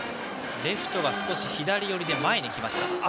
レフトが少し左寄りで前に来ました。